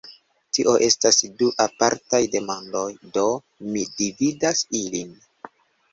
Tio estas du apartaj demandoj, do mi dividas ilin.